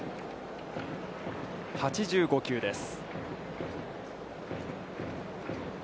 ８５球です。